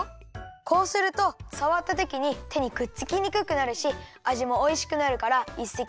こうするとさわったときにてにくっつきにくくなるしあじもおいしくなるからいっせきにちょう！